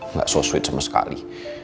nggak so sweet sama sekali